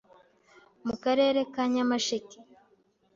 mu Karere ka Nyamasheke